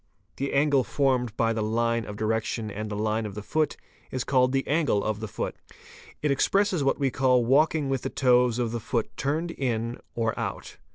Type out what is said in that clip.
The angle formed by the line of direction and the line of the foot is — called the angle of the foot. It expresses what we call walking with the © toes of the foot turned in or out.